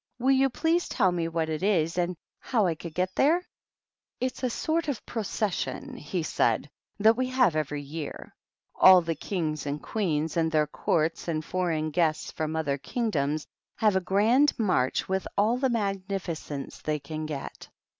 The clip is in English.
" Will you please tell me what it is, and how I could get there?" J "It's a sort of procession," he said, "that we" have every year. All the Kings and Queens and their courts, and foreign guests from other king doms, have a grand march with all the magnifi cence they can get.